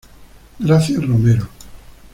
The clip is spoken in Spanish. Gracia Romero.